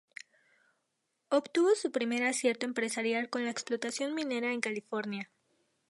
Obtuvo su primer acierto empresarial con la explotación minera en California.